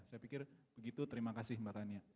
saya pikir begitu terima kasih mbak tania